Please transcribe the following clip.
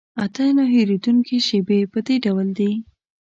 اته نه هېرېدونکي شیبې په دې ډول دي.